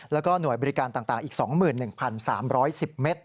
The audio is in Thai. แล้วก็หน่วยบริการต่างอีก๒๑๓๑๐เมตร